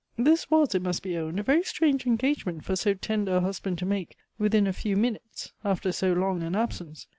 This was, it must be owned, a very strange engagement for so tender a husband to make within a few minutes after so long an absence.